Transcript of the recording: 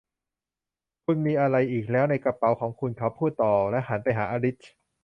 'คุณมีอะไรอีกแล้วในกระเป๋าของคุณ ?' เขาพูดต่อและหันไปหาอลิซ